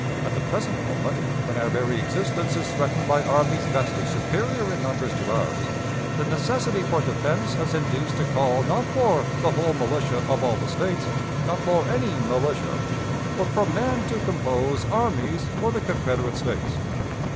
At the present moment, when our very existence is threatened by armies vastly superior in numbers to ours, the necessity for defense has induced a call, not for 'the whole militia of all the States,' not for any militia, but for men to compose armies for the Confederate States.